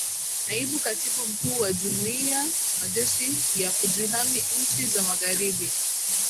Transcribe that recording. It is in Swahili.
naibu katibu mkuu wa jumuiya majeshi ya kujihami nchi za magharibi